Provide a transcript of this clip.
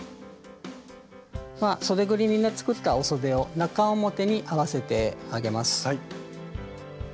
そでぐりにね作ったおそでを中表に合わせてあげます。